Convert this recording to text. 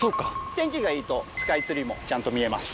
天気がいいとスカイツリーもちゃんと見えます。